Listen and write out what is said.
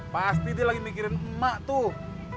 pasti dia lagi mikirin emak tuh